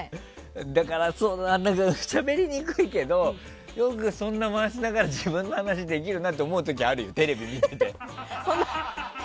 だから、しゃべりにくいけどよくそんなに回しながら自分の話できるなって思う時はあるよ、テレビ見てて。